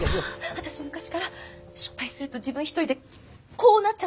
私昔から失敗すると自分一人で「こう」なっちゃうところがあって。